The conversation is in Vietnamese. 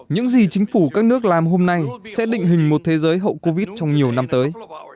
những gì chính phủ các nước làm hôm nay sẽ định hình một thế giới hậu covid trong nhiều năm tới